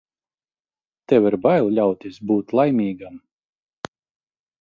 Tev ir bail ļauties būt laimīgam.